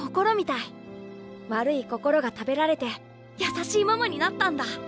悪い心が食べられて優しいママになったんだ。